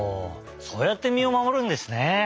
そうやって身をまもるんですね。